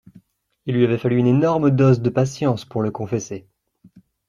Il lui avait fallu une énorme dose de patience pour le confesser